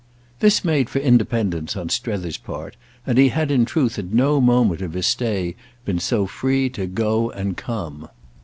This made for independence on Strether's part, and he had in truth at no moment of his stay been so free to go and come.